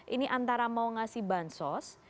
ini antara mau ngasih bansos